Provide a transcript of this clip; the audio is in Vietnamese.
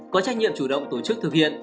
có trách nhiệm chủ động tổ chức thực hiện